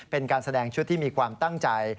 เป็นการแสดงชุดที่มีความตั้งใจ